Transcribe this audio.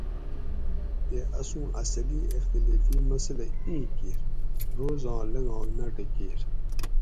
تے اسوں اصلی اختیلیفی مسلۂ ایں کیر روز آں لنگاگ ناٹہ کِیر